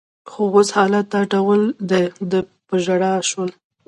خو اوس حالت دا ډول دی، په ژړا شول.